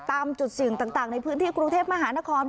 ตามจุดเสี่ยงต่างในพื้นที่กรุงเทพมหานคร